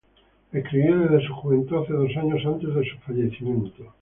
Escribió desde su juventud hasta dos años antes de su fallecimiento.